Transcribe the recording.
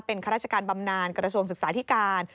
เป็นข้าราชการบำนานกระทรวงศึกษาธิการ